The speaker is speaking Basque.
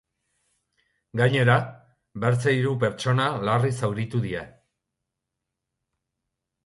Gainera, beste hiru pertsona larri zauritu dira.